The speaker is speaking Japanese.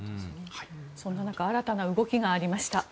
そんな中新たな動きがありました。